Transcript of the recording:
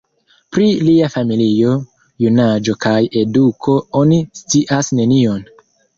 Pri lia familio, junaĝo kaj eduko oni scias nenion.